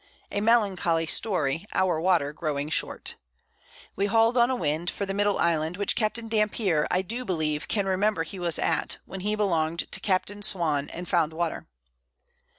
A melancholy Story, our Water growing short. We hall'd on a Wind, for the middle Island, which Capt. Dampier, I do believe, can remember he was at, when he belong'd to Captain Swann, and found Water.